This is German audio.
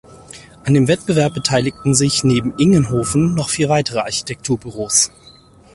An dem Wettbewerb beteiligten sich neben Ingenhoven noch vier weitere Architekturbüros.